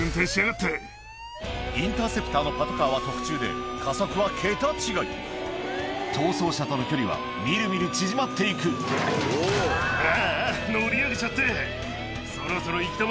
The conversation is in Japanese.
インターセプターのパトカーは特注で加速は桁違い逃走車との距離は見る見る縮まっていくああ乗り上げちゃって。